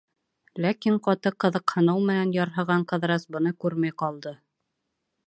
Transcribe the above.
Ләкин ҡаты ҡыҙыҡһыныу менән ярһыған Ҡыҙырас быны күрмәй ҡалды.